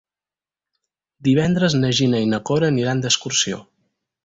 Divendres na Gina i na Cora aniran d'excursió.